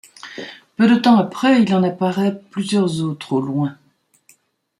Peu de temps après, il en apparait plusieurs autres au loin.